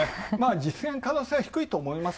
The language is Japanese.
実現可能性、低いと思います。